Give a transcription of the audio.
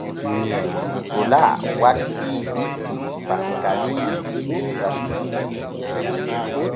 Nikola wattii bikki Pasiikaali der basu.